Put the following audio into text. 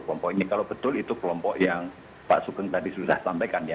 kelompok ini kalau betul itu kelompok yang pak sugeng tadi sudah sampaikan ya